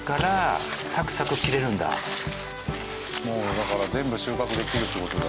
もうだから全部収穫できるって事だ